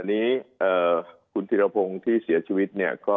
อันนี้คุณธิรพงศ์ที่เสียชีวิตเนี่ยก็